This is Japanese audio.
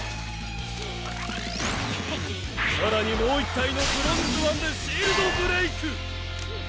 更にもう１体のブロンズ−１でシールドブレイク！